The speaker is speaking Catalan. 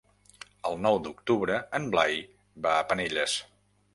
El nou d'octubre en Blai va a Penelles.